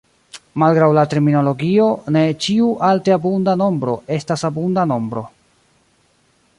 Malgraŭ la terminologio, ne ĉiu alte abunda nombro estas abunda nombro.